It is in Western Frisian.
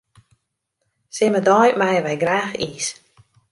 Simmerdei meie wy graach iis.